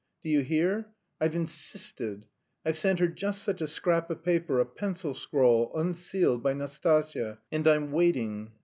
Do you hear. I've insisted! I've sent her just such a scrap of paper, a pencil scrawl, unsealed, by Nastasya, and I'm waiting.